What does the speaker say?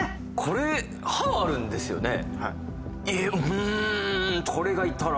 うん。